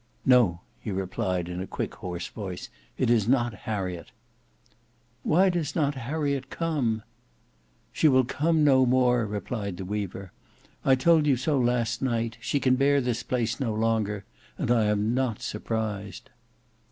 "No!" he replied in a quick hoarse voice, "it is not Harriet." "Why does not Harriet come?" "She will come no more!" replied the weaver; "I told you so last night: she can bear this place no longer; and I am not surprised."